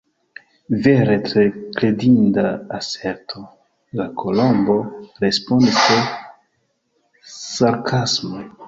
"Vere tre kredinda aserto!" la Kolombo respondis tre sarkasme.